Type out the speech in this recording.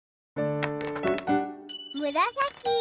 むらさき。